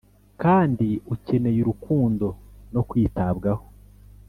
kandi ukeneye urukundo no kwitabwaho